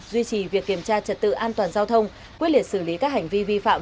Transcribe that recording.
duy trì việc kiểm tra trật tự an toàn giao thông quyết liệt xử lý các hành vi vi phạm